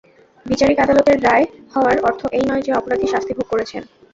বিচারিক আদালতে রায় হওয়ার অর্থ এই নয় যে অপরাধী শাস্তি ভোগ করেছেন।